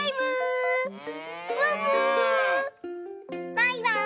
バイバーイ！